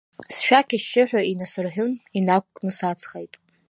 Сшәақь ашьшьыҳәа инасырҳәын, инақәкны саҵхеит.